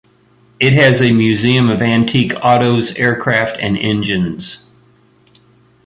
It has a museum of antique autos, aircraft, and engines.